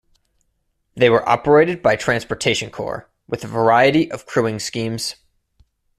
They were operated by Transportation Corps with a variety of crewing schemes.